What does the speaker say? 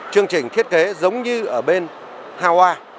chương trình thiết kế giống như ở bên hawa